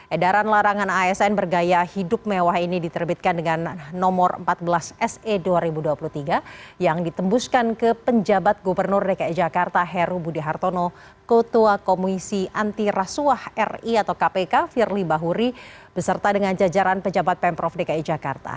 edaran larangan asn bergaya hidup mewah ini diterbitkan dengan nomor empat belas se dua ribu dua puluh tiga yang ditembuskan ke penjabat gubernur dki jakarta heru budi hartono ketua komisi anti rasuah ri atau kpk firly bahuri beserta dengan jajaran pejabat pemprov dki jakarta